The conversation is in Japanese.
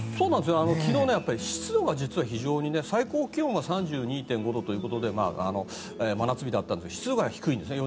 昨日、湿度が実は非常に最高気温が３２．５度で真夏日だったんですが湿度が低くて、４１％。